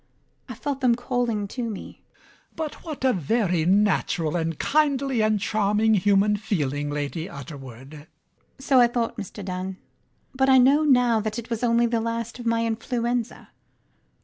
I felt them calling to me. MAZZINI. But what a very natural and kindly and charming human feeling, Lady Utterword! LADY UTTERWORD. So I thought, Mr Dunn. But I know now that it was only the last of my influenza.